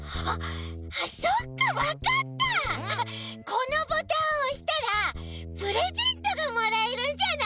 このボタンをおしたらプレゼントがもらえるんじゃない？